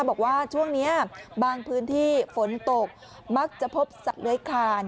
บอกว่าช่วงนี้บางพื้นที่ฝนตกมักจะพบสัตว์เลื้อยคลาน